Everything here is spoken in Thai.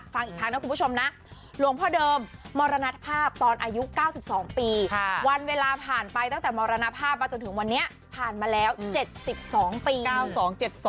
ฟังอีกครั้งนะคุณผู้ชมนะหลวงพ่อเดิมมรณภาพตอนอายุ๙๒ปีวันเวลาผ่านไปตั้งแต่มรณภาพมาจนถึงวันนี้ผ่านมาแล้ว๗๒ปี๙๒๗๒